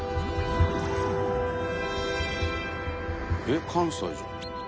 えっ関西じゃん。